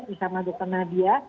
bersama dr nadia